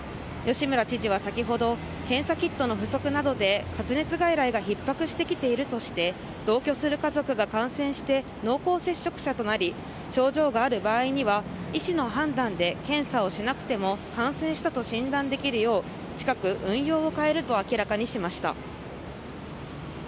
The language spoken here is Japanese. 吉村知事は先ほど、検査キットの不足などで発熱外来がひっ迫してきているとして、同居する家族が感染して濃厚接触者となり、症状がある場合には、医師の判断で検査をしなくても感染したと診断できるよう、近く運用を変えると明らかにしました。